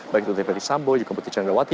baik itu dari ferdis sambo juga putri candawati